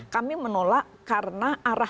kami menolak karena